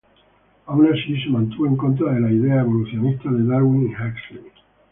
Aun así, se mantuvo en contra de las ideas evolucionistas de Darwin y Huxley.